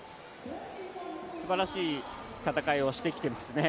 すばらしい戦いをしてきていますね。